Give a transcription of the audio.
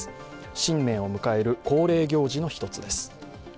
新年を迎える恒例行事の一つです。